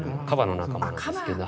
樺の仲間なんですけど。